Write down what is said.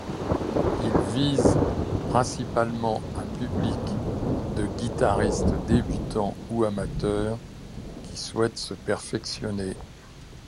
Il vise principalement un public de guitaristes débutants ou amateurs qui souhaitent se perfectionner.